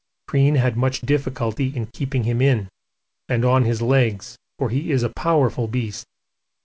Crean had had much difficulty in keeping him in, and on his legs, for he is a powerful beast.